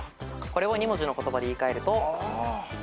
これを２文字の言葉で言い換えると。